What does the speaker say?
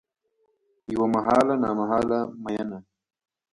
یوه محاله نامحاله میینه